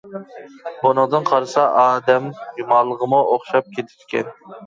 بۇنىڭدىن قارىسا ئادەم مالغىمۇ ئوخشاپ كېتىدىكەن.